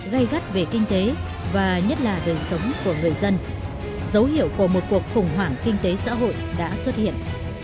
gây gắt về kinh tế và nhất là đời sống của người dân dấu hiệu của một cuộc khủng hoảng kinh tế xã hội đã xuất hiện